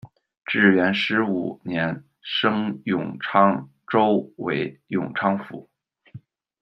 至元十五年升永昌州为永昌府。